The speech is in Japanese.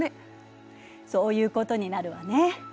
そういうことになるわね。